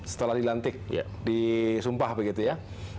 setelah di lantik disumpah begitu ya